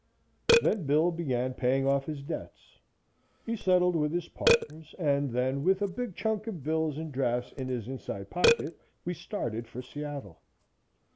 Then Bill began paying off his debts. He settled with his partners, and then with a big chunk of bills and drafts in his inside pocket we started for Seattle.